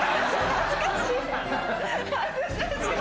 恥ずかしい。